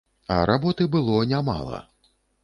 А работы было нямала.